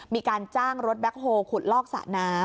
มีการจ้างรถแบ็คโฮลขุดลอกสระน้ำ